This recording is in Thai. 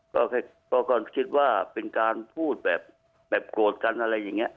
ก็คิดว่าเป็นการพูดแบบโกรธกันอะไรอย่างนี้